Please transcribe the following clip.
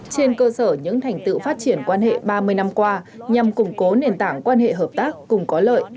trên cơ sở những thành tựu phát triển quan hệ ba mươi năm qua nhằm củng cố nền tảng quan hệ hợp tác cùng có lợi